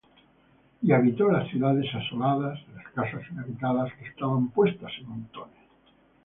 Y habitó las ciudades asoladas, Las casas inhabitadas, Que estaban puestas en montones.